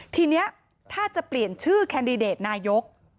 ทีนี้ถ้าจะเปลี่ยนชื่อแคนดิเดตนายก